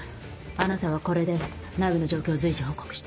あなたはこれで内部の状況を随時報告して。